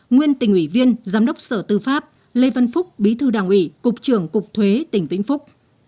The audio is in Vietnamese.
nguyên tỉnh ủy viên giám đốc sở tư pháp lê văn phúc bí thư đảng ủy cục trưởng cục thuế tỉnh vĩnh phúc